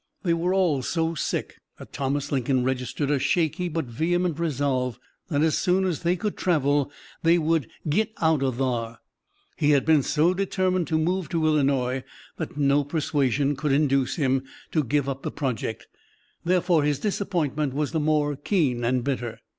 They were all so sick that Thomas Lincoln registered a shaky but vehement resolve that as soon as they could travel they would "git out o' thar!" He had been so determined to move to Illinois that no persuasion could induce him to give up the project, therefore his disappointment was the more keen and bitter.